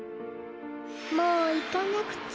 もういかなくちゃ。